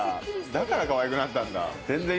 だからかわいくなったんだ。